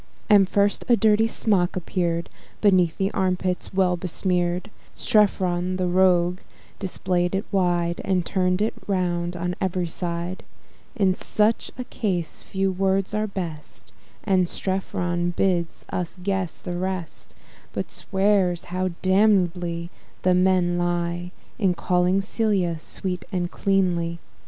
And, first, a dirty smock appear'd, Beneath the arm pits well besmear'd; Strephon, the rogue, display'd it wide, And turn'd it round on ev'ry side: On such a point, few words are best, And Strephon bids us guess the rest; But swears, how damnably the men lie In calling Celia sweet and cleanly.